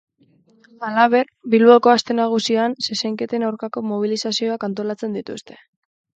Halaber, Bilboko Aste Nagusian zezenketen aurkako mobilizazioak antolatzen dituzte.